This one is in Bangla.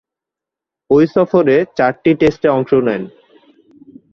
ঐ সফরে চারটি টেস্টে অংশ নেন।